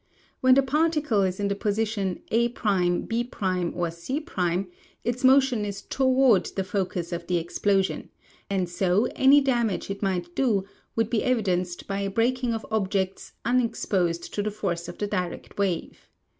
When the ])article is in the posi tion A', B\ or C', its motion is toward the focus of the explosion, and so any damage it might do would be evidenced I)}" a break ing of objects unexposed to the force of the direct wave.